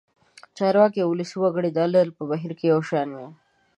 چارواکي او ولسي وګړي د عدل په بهیر کې یو شان وو.